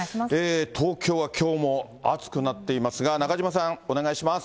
東京はきょうも暑くなっていますが、中島さん、お願いします。